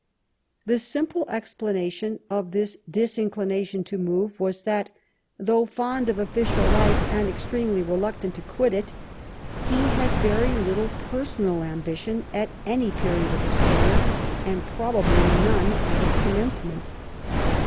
The simple ex planation of this disinclination to move was that, though fond of official life and extremely reluctant to quit it, he had very little personal ambitition at any period of his career, and probably none at its commencement.